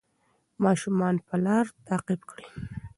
ماشومان به لار تعقیب کړي.